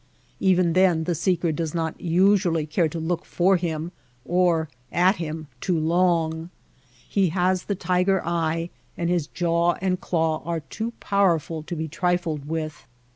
Even then the seeker does not usually care to look for him, or at him too long. He has the tiger eye, and his jaw and claw are too powerful to be trifled with.